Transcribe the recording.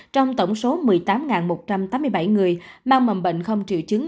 trong tổng số một mươi tám một trăm tám mươi bảy người mang mầm bệnh không triệu chứng